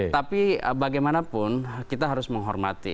tapi bagaimanapun kita harus menghormati